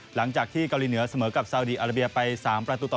หลังจากที่เกาหลีเหนือเสมอกับซาวดีอาราเบียไป๓ประตูต่อ